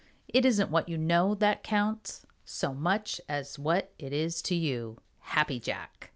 It isn't what you know that counts So much as what it is to you. _Happy Jack.